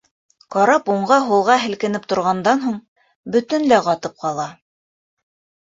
Карап уңға-һулға һелкенеп торғандан һуң, бөтөнләй ҡатып ҡала.